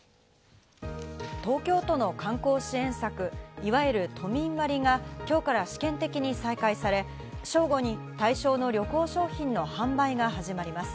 東京都の観光支援策、いわゆる都民割が今日から試験的に再開され、正午に対象の旅行商品の販売が始まります。